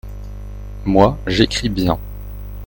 moi, j'écris bien.